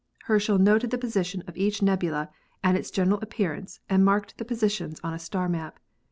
Herschel noted the position of each nebula and its general appearance and marked the positions on a star map.